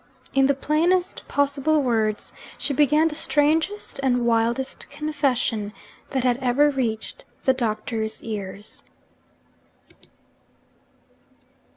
In the plainest possible words, she began the strangest and wildest confession that had ever reached the Doctor's ears.